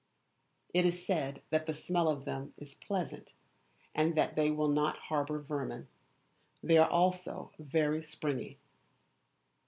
It is said that the smell of them is pleasant and that they will not harbour vermin. They are also very springy.